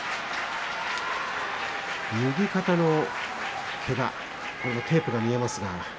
右肩のけがテープが見えます。